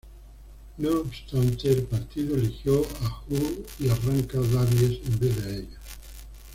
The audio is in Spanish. No obstante, el Partido eligió a Huw Irranca-Davies en vez de a ella.